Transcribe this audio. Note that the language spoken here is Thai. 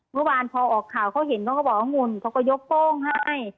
เมื่อวานพอออกข่าวเขาเห็นเขาก็บอกว่างุ่นเขาก็ยกโป้งให้